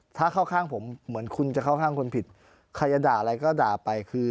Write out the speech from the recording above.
ถ้าเข้าข้างผมเหมือนคุณจะเข้าข้างคนผิดใครจะด่าอะไรก็ด่าไปคือ